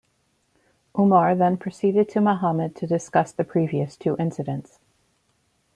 Umar then preceded to Muhammad to discuss the previous two incidents.